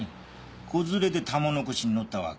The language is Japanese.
子連れで玉の輿に乗ったわけ？